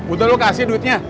udah lu kasih duitnya